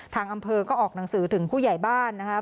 ทางอำเภอก็ออกหนังสือถึงผู้ใหญ่บ้านนะครับ